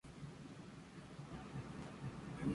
Pasó su infancia y adolescencia en Manizales.